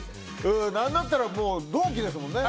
何だったら、同期ですもんね